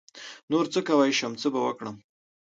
نـور څه کوی شم څه به وکړم.